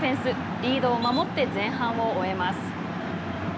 リードを守って前半を終えます。